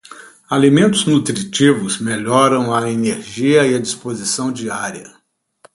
Alimentos nutritivos melhoram a energia e a disposição diária.